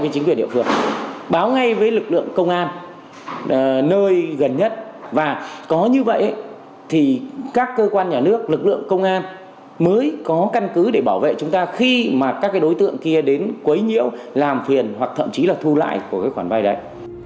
và có như vậy thì các cơ quan nhà nước lực lượng công an mới có căn cứ để bảo vệ chúng ta khi mà các cái đối tượng kia đến quấy nhiễu làm phiền hoặc thậm chí là thu lại của cái khoản vay đấy